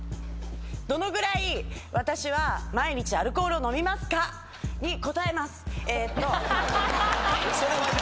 どのぐらい私は毎日アルコールを飲みますか？に答えますえーっとははは